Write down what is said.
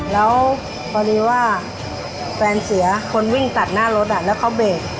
แล้วพอดีว่าแฟนเสียคนวิ่งตัดหน้ารถแล้วเขาเบรก